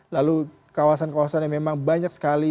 lalu kawasan kawasan yang memang banyak sekali